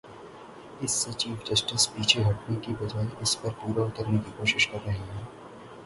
اس سے chief justice پیچھے ہٹنے کی بجائے اس پر پورا اترنے کی کوشش کر رہے ہیں۔